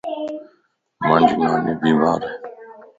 مانجي ناني بيمارَ